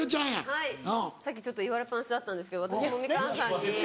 はいさっき言われっ放しだったんですけど私もみかんさんに。